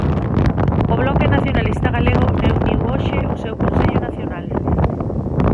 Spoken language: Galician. O Bloque Nacionalista Galego reuniu hoxe o seu Consello Nacional.